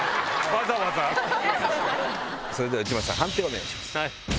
それでは判定お願いします。